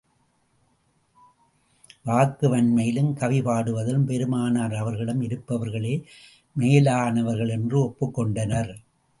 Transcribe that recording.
வாக்கு வன்மையிலும், கவி பாடுவதிலும் பெருமானார் அவர்களிடம் இருப்பவர்களே மேலானவர்கள் என்று ஒப்புக் கொண்டனர்.